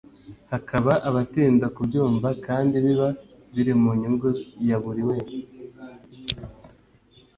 hakaba abatinda kubyumva kandi biba biri mu nyungu ya buri wese